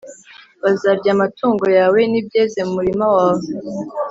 Bazarya amatungo yawe n’ibyeze mu murima wawe,